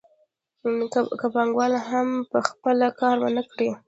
که پانګوال هم په خپله کار ونه کړي